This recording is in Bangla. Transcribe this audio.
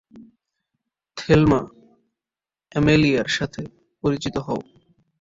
থেলমা, অ্যামেলিয়ার সাথে পরিচিত হও।